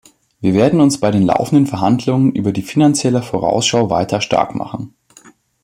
Wir werden uns bei den laufenden Verhandlungen über die Finanzielle Vorausschau weiter stark machen.